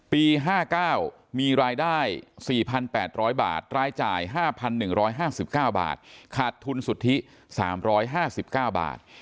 ปี๕๙มีรายได้๔๘๐๐บาทรายจ่าย๕๑๕๙บาทขาดทุนสุทธิ๓๕๙บาท